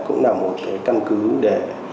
cũng là một căn cứ để